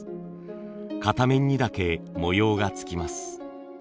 片面にだけ模様がつきます。